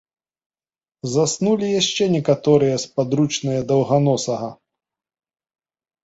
Заснулі яшчэ некаторыя спадручныя даўганосага.